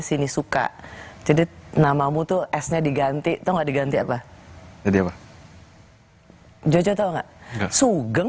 sinisuka jadi namamu tuh esnya diganti atau diganti apa jadi apa jojo tahu enggak suge